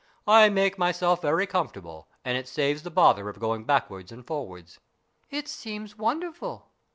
I make myself very comfortable, and it saves the bother of going backwards and forwards." "It seems wonderful.